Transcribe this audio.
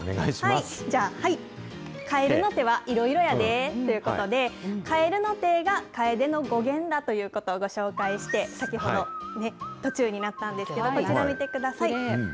じゃあ、はい、かえるの手はいろいろやで、ということで、かえるの手がカエデの語源だということをご紹介して、先ほど、途中になったんですけど、こちら見てください。